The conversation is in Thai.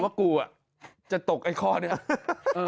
ใช้คำว่ากูจะตกไอ้คอเนี่ย